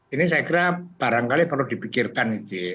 ini saya kira barangkali perlu dipikirkan gitu ya